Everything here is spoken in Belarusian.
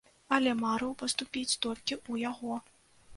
Але марыў паступіць толькі ў яго.